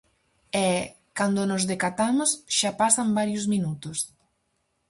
E, cando nos decatamos, xa pasan varios minutos.